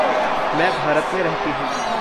मैं भारत में रहती हूँ।